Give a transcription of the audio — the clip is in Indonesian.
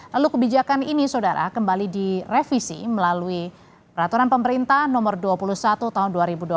lalu kebijakan ini saudara kembali direvisi melalui peraturan pemerintah nomor dua puluh satu tahun dua ribu dua puluh